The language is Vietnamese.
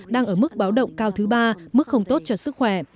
đang ở mức báo động cao thứ ba mức không tốt cho sức khỏe